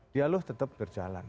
dialog tetap berjalan